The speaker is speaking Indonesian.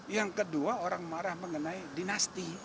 yang kedua orang marah mengenai dinasti